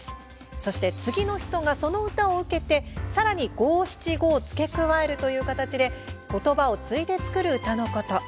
そして、次の人がその歌を受けて、さらに五七五を付け加えるという形で言葉を継いで作る歌のこと。